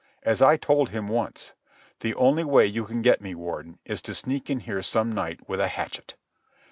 As I told him once: "The only way you can get me, Warden, is to sneak in here some night with a hatchet."